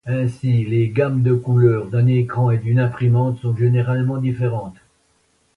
Ainsi les gammes de couleurs d'un écran et d'une imprimante sont généralement différentes.